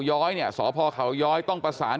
กลับไปลองกลับ